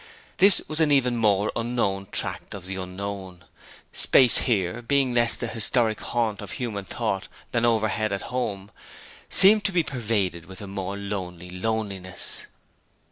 This was an even more unknown tract of the unknown. Space here, being less the historic haunt of human thought than overhead at home, seemed to be pervaded with a more lonely loneliness.